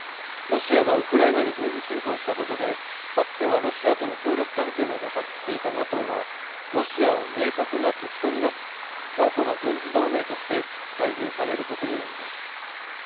ロシアがウクライナに軍事侵攻したことでかつてはロシアとの協力関係も模索していたＮＡＴＯはロシアを明確な敵とみなす強固な軍事同盟として再編されることになります。